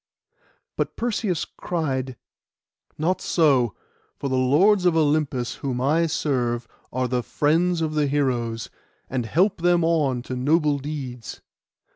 But Perseus cried, 'Not so; for the Lords of Olympus, whom I serve, are the friends of the heroes, and help them on to noble deeds.